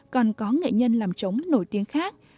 còn có nghệ nhân làm trống nổi tiếng khác